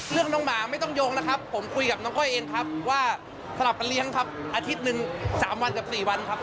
น้องหมาไม่ต้องโยงนะครับผมคุยกับน้องก้อยเองครับว่าสลับกันเลี้ยงครับอาทิตย์หนึ่ง๓วันกับ๔วันครับ